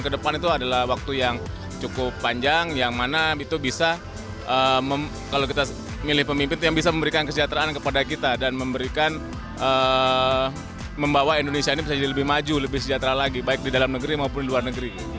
kedepan itu adalah waktu yang cukup panjang yang mana itu bisa kalau kita milih pemimpin yang bisa memberikan kesejahteraan kepada kita dan memberikan membawa indonesia ini bisa jadi lebih maju lebih sejahtera lagi baik di dalam negeri maupun di luar negeri